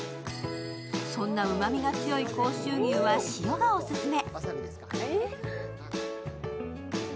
そんなうまみが強い甲州牛は塩がオススメ。